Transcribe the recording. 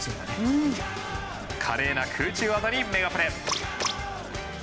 華麗な空中技にメガプレ。